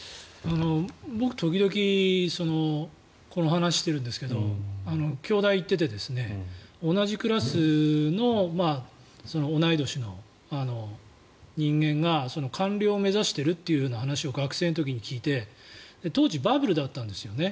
僕、時々この話をしてるんですけど京大に行っていて同じクラスの同い年の人間が官僚を目指しているという話を学生の時に聞いて当時、バブルだったんですよね。